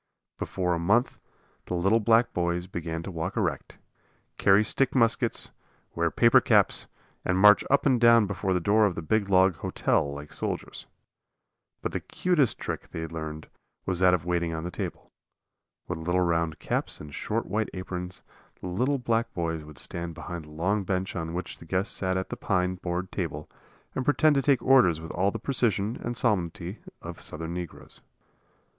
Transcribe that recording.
Before a month the little black boys began to walk erect, carry stick muskets, wear paper caps, and march up and down before the door of the big log "hotel" like soldiers. But the cutest trick they learned was that of waiting on the table. With little round caps and short white aprons, the little black boys would stand behind the long bench on which the guests sat at the pine board table and pretend to take orders with all the precision and solemnity of Southern negroes.